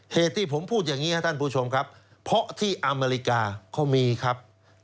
เหตุที่ผมพูดอย่างนี้ครับท่านผู้ชมครับเพราะที่อเมริกาเขามีครับ